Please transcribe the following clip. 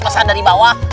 masa dari bawah